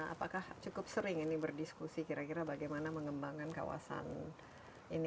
apakah cukup sering ini berdiskusi kira kira bagaimana mengembangkan kawasan ini